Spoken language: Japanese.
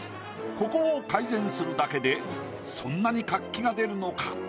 ここを改善するだけでそんなに活気が出るのか？